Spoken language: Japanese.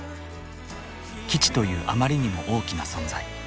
基地というあまりにも大きな存在。